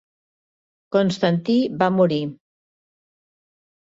Constantí va morir.